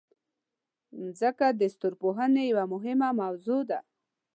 مځکه د ستورپوهنې یوه مهمه موضوع ده.